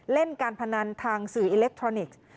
เล่นการพนันทางสื่ออิเล็กทรอนิกส์